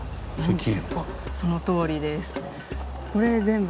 そのとおりです。